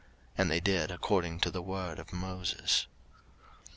And they did according to the word of Moses.